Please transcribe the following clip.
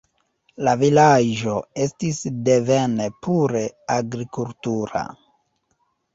La vilaĝo estis devene pure agrikultura.